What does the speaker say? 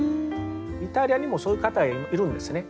イタリアにもそういう方いるんですね。